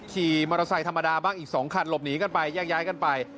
ขี่มอเตอร์ไซค์ธรรมดาบ้างอีก๒คันหลบหนีกันไปแยกย้ายกันไป